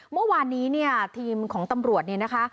เมื่อวานนี้เนี่ยทีมของตำรวจเนี่ยนะคะ